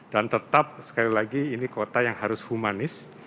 dan tetap sekali lagi ini kota yang harus humanis